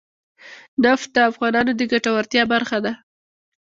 نفت د افغانانو د ګټورتیا برخه ده.